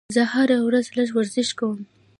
زه هره ورځ لږ ورزش کوم.